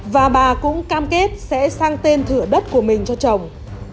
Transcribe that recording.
và bà cũng cam kết sẽ sang tên thửa đất của mình cho chồng